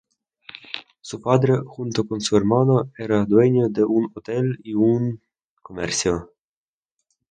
Su padre, junto con su hermano, era dueño de un hotel y un comercio.